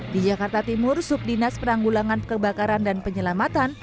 di jakarta timur subdinas penanggulangan kebakaran dan penyelamatan